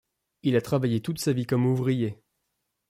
Il a travaillé toute sa vie comme ouvrier.